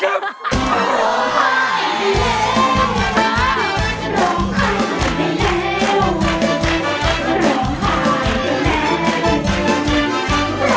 อย่างนี้แหละร้องผิดประเภท